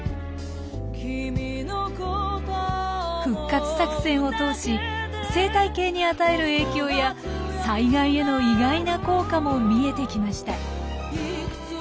復活作戦を通し生態系に与える影響や災害への意外な効果も見えてきました。